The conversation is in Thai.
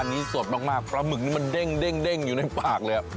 อันนี้สดมากปลาหมึกนี่มันเด้งอยู่ในปากเลย